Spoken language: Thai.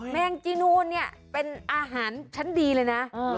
แมงจีนูนเนี่ยเป็นอาหารชั้นดีเลยนะ